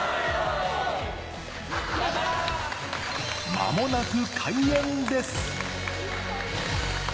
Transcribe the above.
間もなく開演です！